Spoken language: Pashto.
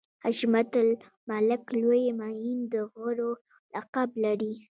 حشمت الملک لوی معین د غرو لقب لري.